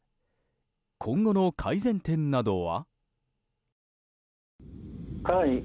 今後の改善点などは？